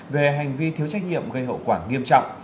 về hành vi thiếu trách nhiệm gây hậu quả nghiêm trọng